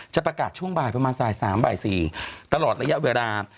จะประกาศช่วงบ่ายประมาณสาย๓บ่าย๔ตลอดระยะเวลา